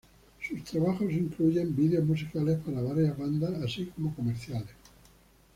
Sus trabajos incluyen vídeos musicales para varias bandas así como comerciales.